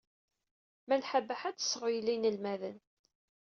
Malḥa Baḥa ad tesseɣyel inelmaden.